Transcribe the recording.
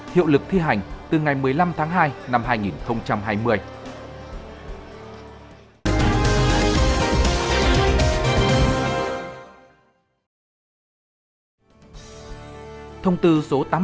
hiệu lực thi hành từ ngày một mươi năm tháng hai năm hai nghìn hai mươi